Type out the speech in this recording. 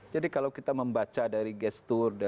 jadi kalau kita membaca dari gestur